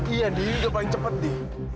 iya ndi gak paling cepet ndi